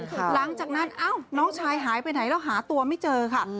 หลังจากนั้นเอ้าน้องชายหายไปไหนแล้วหาตัวไม่เจอค่ะ